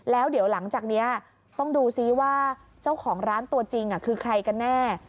แล้วเดี๋ยวหลังจากนี้ต้องดูซิว่าเจ้าของร้านตัวจริงคือใครกันแน่